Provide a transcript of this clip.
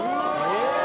「えっ？」